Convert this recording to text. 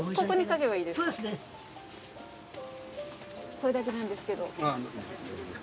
これだけなんですけど。